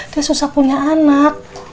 dia susah punya anak